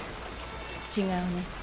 違うね。